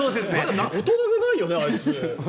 大人げないよね、あいつ。